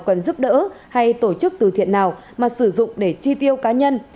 cần giúp đỡ hay tổ chức từ thiện nào mà sử dụng để chi tiêu cá nhân